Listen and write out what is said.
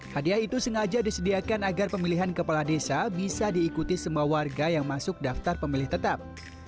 hadiah itu sengaja disediakan agar pemilihan kepala desa bisa diikuti semua warga yang masuk daftar pemilih tetap